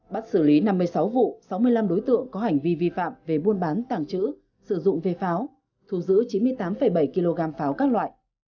bắt xử lý năm mươi sáu vụ sáu mươi năm đối tượng có hành vi vi phạm về buôn bán tàng trữ sử dụng về pháo thu giữ chín mươi tám bảy kg pháo các loại